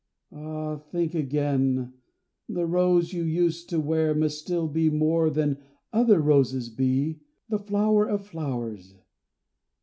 Ah think again: the rose you used to wear Must still be more than other roses be The flower of flowers.